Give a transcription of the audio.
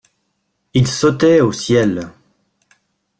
Il sautait au ciel.